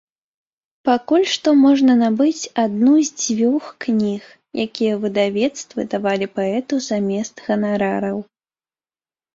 Пакуль што можна набыць адну з дзвюх кніг, якія выдавецтвы давалі паэту замест ганарараў.